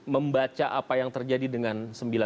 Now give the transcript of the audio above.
membaca apa yang terjadi dengan sembilan